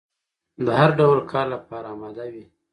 د هر ډول کار لپاره اماده وي.